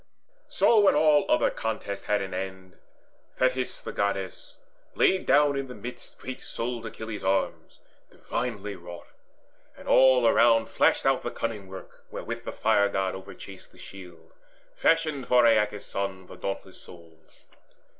So when all other contests had an end, Thetis the Goddess laid down in the midst Great souled Achilles' arms divinely wrought; And all around flashed out the cunning work Wherewith the Fire god overchased the shield Fashioned for Aeacus' son, the dauntless souled.